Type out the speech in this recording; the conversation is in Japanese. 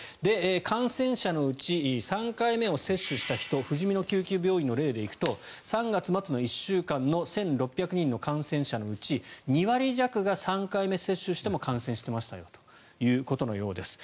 感染者のうち３回目を接種した人ふじみの救急病院の例で行くと３月末の１週間の１６００人の感染者のうち２割弱が３回目接種しても感染していましたということのようです。